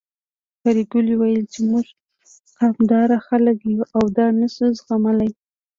پري ګلې ويل چې موږ قامداره خلک يو او دا نه شو زغملی